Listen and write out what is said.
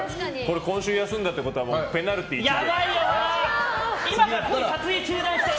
今週休んだってことはもうペナルティーですよ。